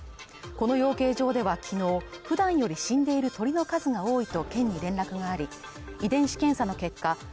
この養鶏場ではきのうふだんより死んでいる鶏の数が多いと県に連絡があり遺伝子検査の結果